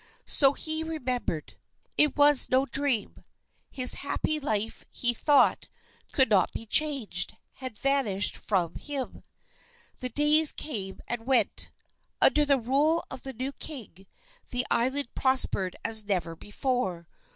So he remembered. It was no dream. His happy life that he thought could not be changed, had vanished from him. The days came and went. Under the rule of the new king the island prospered as never before.